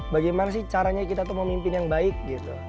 bagaimana sih caranya kita tuh memimpin yang baik gitu